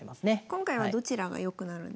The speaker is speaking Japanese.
今回はどちらが良くなるんですか？